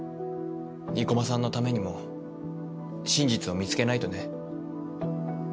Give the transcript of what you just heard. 生駒さんのためにも真実を見つけないとね。